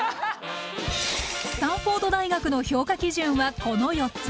スタンフォード大学の評価基準はこの４つ。